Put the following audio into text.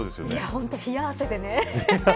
本当に冷や汗で。